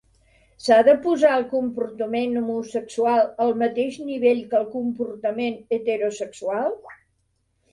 "S'ha de posar el comportament homosexual al mateix nivell que el comportament heterosexual?"